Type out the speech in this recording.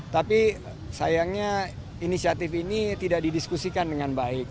tapi sayangnya inisiatif ini tidak didiskusikan dengan baik